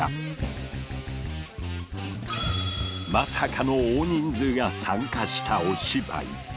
まさかの大人数が参加したお芝居。